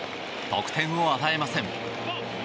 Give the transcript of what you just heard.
得点を与えません。